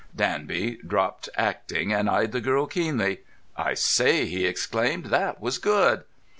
Danby dropped acting, and eyed the girl keenly. "I say," he exclaimed, "that was good!"